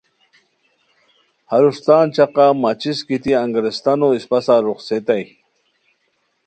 ہروݰ تان چقہ ماچس گیتی انگریستانو اِسپہ سار روخڅئیتائے